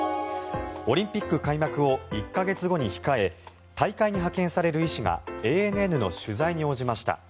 オリンピック開幕を１か月後に控え大会に派遣される医師がＡＮＮの取材に応じました。